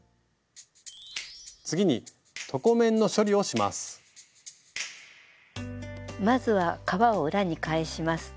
次にまずは革を裏に返します。